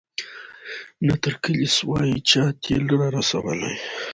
نه تر کلي سوای چا تېل را رسولای